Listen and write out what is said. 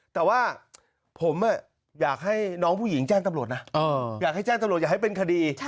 แต่ว่าผมอยากให้น้องผู้หญิงแจ้งตำรวจนะอยากให้แจ้งตำรวจอยากให้เป็นคดี